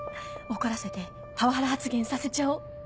怒らせてパワハラ発言させちゃお